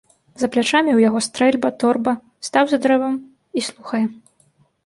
За плячамі ў яго стрэльба, торба, стаў за дрэвам і слухае.